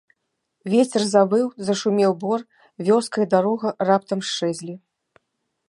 Вецер завыў, зашумеў бор, вёска і дарога раптам счэзлі.